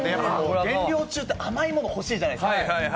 減量中って甘いもの欲しいじゃないですか。